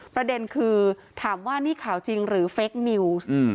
ประเด็นคือถามว่านี่ข่าวจริงหรือเฟคนิวส์